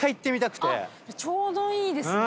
ちょうどいいですね。